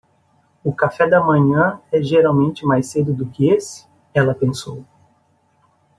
O café da manhã é geralmente mais cedo do que esse?, ela pensou.